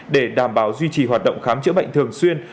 để đảm bảo duy trì hoạt động khám chữa bệnh thường xuyên